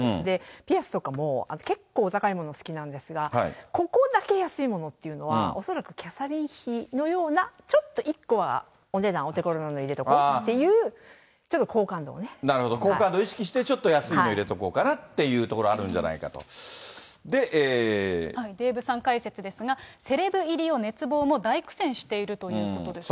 ピアスとかも結構お高いもの好きなんですが、ここだけ安いものというのは、恐らくキャサリン妃のような、ちょっと１個おねだんお手頃なの入れとこうっていう、ちょっと好なるほど、好感度を意識して、ちょっと安いのを入れとこうかなというところがあるんじゃないかデーブさん解説ですが、セレブ入りを熱望も大苦戦しているということですね。